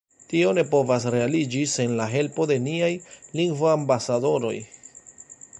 Tio ne povas realiĝi sen la helpo de niaj lingvoambasadoroj.